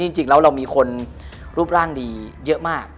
จริงแล้วเรามีคนรูปร่างดีเยอะมาก